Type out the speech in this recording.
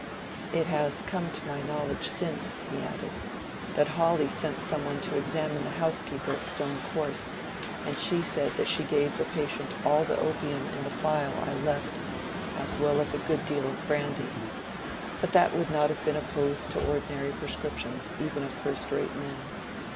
"It has come to my knowledge since," he added, "that Hawley sent some one to examine the housekeeper at Stone Court, and she said that she gave the patient all the opium in the phial I left, as well as a good deal of brandy. But that would not have been opposed to ordinary prescriptions, even of first rate men.